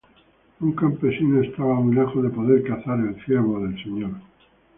Un campesino estaba muy lejos de poder cazar el ciervo del señor.